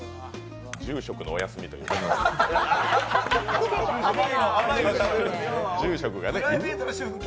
住職のお休みという住職がね。